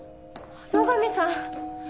野上さん。